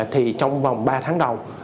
thì trong vòng ba tháng đầu